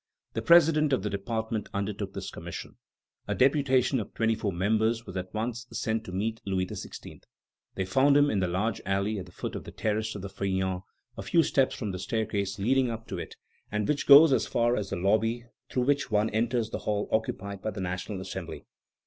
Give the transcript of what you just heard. The president of the department undertook this commission. A deputation of twenty four members was at once sent to meet Louis XVI. They found him in the large alley at the foot of the terrace of the Feuillants, a few steps from the staircase leading up to it, and which goes as far as the lobby through which one enters the hall occupied by the National Assembly.